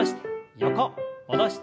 横戻して。